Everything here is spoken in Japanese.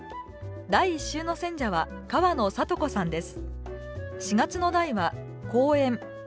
第１週の選者は川野里子さんです。